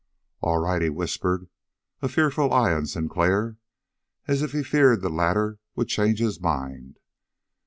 "All right," he whispered, a fearful eye on Sinclair, as if he feared the latter would change his mind.